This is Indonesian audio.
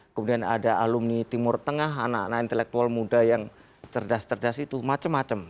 kemudian ada alumni timur tengah anak anak intelektual muda yang cerdas cerdas itu macam macam